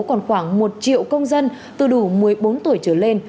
còn khoảng một triệu công dân từ đủ một mươi bốn tuổi trở lên